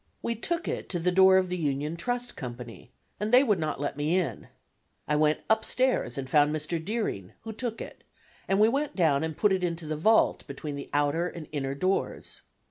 We took it to the door of the Union Trust Company, and they would not let me in. I went upstairs and found Mr. Deering, who took it, and we went down and put it into the vault between the outer and inner doors.